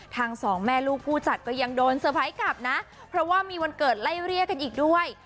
สองแม่ลูกผู้จัดก็ยังโดนเตอร์ไพรส์กลับนะเพราะว่ามีวันเกิดไล่เรียกกันอีกด้วย